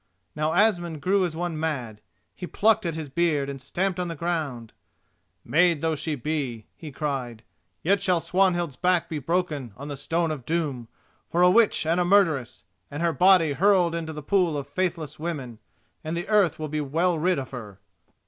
Now Asmund grew as one mad. He plucked at his beard and stamped on the ground. "Maid though she be," he cried, "yet shall Swanhild's back be broken on the Stone of Doom for a witch and a murderess, and her body hurled into the pool of faithless women, and the earth will be well rid of her!"